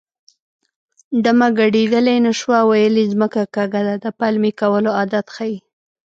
ډمه ګډېدلی نه شوه ویل یې ځمکه کږه ده د پلمې کولو عادت ښيي